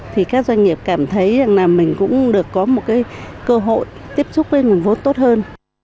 thì các doanh nghiệp cảm thấy rằng là mình cũng được có một cơ hội tiếp xúc với nguồn vốn tốt hơn